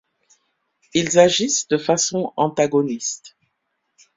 Ils agissent de façon antagoniste.